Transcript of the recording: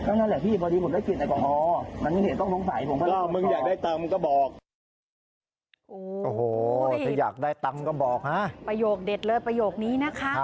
อันนี้อู้ถ้าอยากได้ตำก็บอกฮะประโยคเด็ดเลยประโยคนี้นะคะ